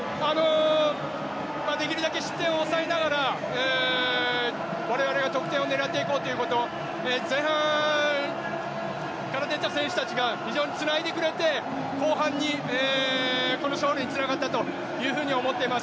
できるだけ失点を抑えながら、我々は得点を狙っていこうということ、前半から出た選手たちが非常につないでくれて後半、この勝利につながったと思っています。